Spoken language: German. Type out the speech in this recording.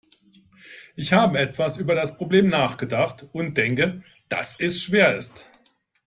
Ich habe etwas über das Problem nachgedacht und denke, dass es schwer ist.